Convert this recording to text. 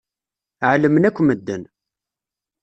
Ɛelmen akk medden.